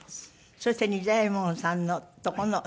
そして仁左衛門さんのとこの部屋子。